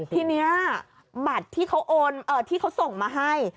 ที่เนี่ยบัตรที่เขาส่งมาให้